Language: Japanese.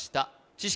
知識